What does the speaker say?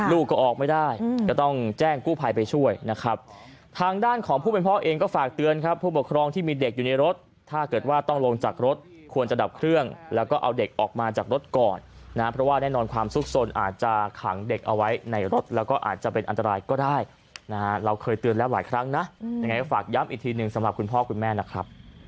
ลูกก็ออกไม่ได้ก็ต้องแจ้งกู้ภัยไปช่วยนะครับทางด้านของผู้เป็นพ่อเองก็ฝากเตือนครับผู้ปกครองที่มีเด็กอยู่ในรถถ้าเกิดว่าต้องลงจากรถควรจะดับเครื่องแล้วก็เอาเด็กออกมาจากรถก่อนนะเพราะว่าแน่นอนความสุขสนอาจจะขังเด็กเอาไว้ในรถแล้วก็อาจจะเป็นอันตรายก็ได้นะฮะเราเคยเตือนแล้วหลายครั้งนะยังไงก็ฝากย้ำอีกทีหนึ่งสำหรับคุณพ่อคุณแม่นะครับ